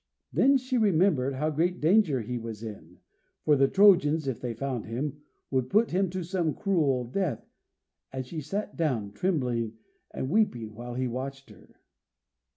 Then she remembered how great danger he was in, for the Trojans, if they found him, would put him to some cruel death, and she sat down, trembling and weeping, while he watched her.